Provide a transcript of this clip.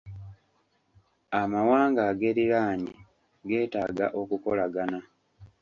Amawanga ageeriraanye geetaaga okukolagana.